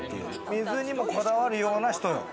水にもこだわるような人よ。